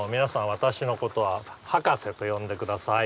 私のことは「ハカセ」と呼んでください。